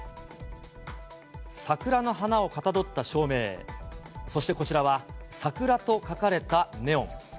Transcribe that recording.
桜の花をかたどった照明、そしてこちらは、サクラと書かれたネオン。